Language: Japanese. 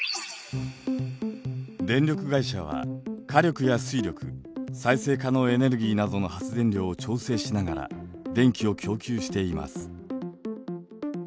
電力会社は火力や水力再生可能エネルギーなどの発電量を調整しながら電気を供給しています。